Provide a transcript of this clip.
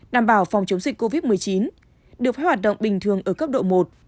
đảm bảo phòng chống dịch covid một mươi chín được phép hoạt động bình thường ở cấp độ một